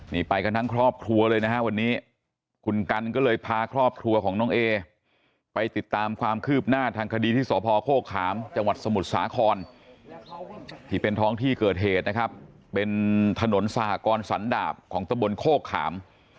นี่ไปกันทั้งครอบครัวเลยนะฮะวันนี้คุณกันก็เลยพาครอบครัวของน้องเอไปติดตามความคืบหน้าทางคดีที่สพโฆขามจังหวัดสมุทรสาครที่เป็นท้องที่เกิดเหตุนะครับเป็นถนนสหกรสันดาบของตะบนโคกขาม